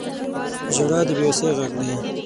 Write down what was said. • ژړا د بې وسۍ غږ دی.